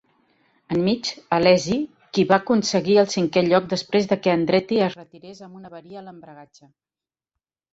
Enmig, Alesi, qui va aconseguir el cinquè lloc després de que Andretti es retirés amb una avaria de l'embragatge.